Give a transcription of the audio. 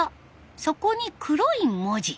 そこに黒い文字。